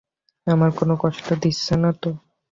আমরা কোনো কষ্ট দিচ্ছি না তো?